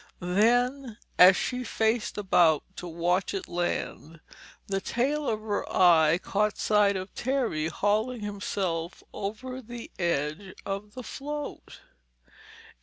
Then as she faced about to watch it land, the tail of her eye caught sight of Terry hauling himself over the edge of the float.